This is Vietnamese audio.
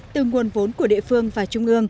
từ nguồn vốn của địa phương